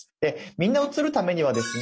みんな映るためにはですね